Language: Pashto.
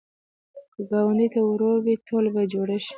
که ګاونډي ته ورور وې، ټولنه به جوړه شي